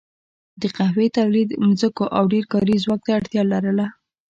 د قهوې تولید ځمکو او ډېر کاري ځواک ته اړتیا لرله.